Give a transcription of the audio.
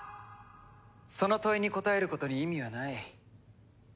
その問いに答えることに意味はない。